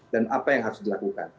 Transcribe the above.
dan apa yang harus dilakukan